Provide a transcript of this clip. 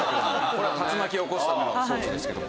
これ竜巻を起こすための装置ですけど。